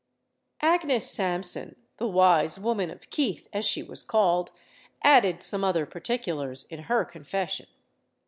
Agnes Sampson, the wise woman of Keith, as she was called, added some other particulars in her confession.